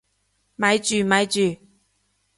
咪住咪住！